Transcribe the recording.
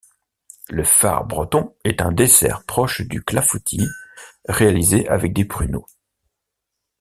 Le far breton est un dessert proche du clafoutis, réalisé avec des pruneaux.